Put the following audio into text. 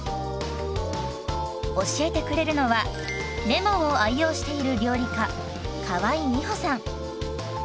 教えてくれるのはレモンを愛用している料理家河井美歩さん。